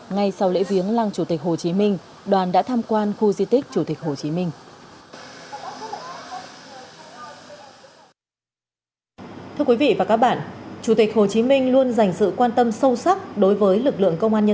ngay sau lễ viếng lăng chủ tịch hồ chí minh đoàn đã tham quan khu di tích chủ tịch hồ chí minh